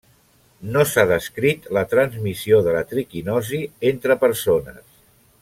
No s'ha descrit la transmissió de la triquinosi entre persones.